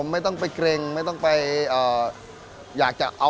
kita hanya bergerak untuk bergerak saja